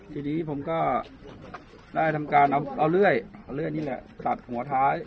ทีนี้ผมก็ได้ทำการเอาเลื่อยเอาเลื่อยนี่แหละตัดหัวท้าย